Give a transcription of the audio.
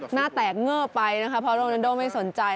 หน้าแตกเงอร์ไปนะคะเพราะโรนันโดไม่สนใจ